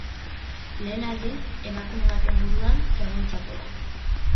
Lehen aldiz emakume baten buruan zegoen txapela.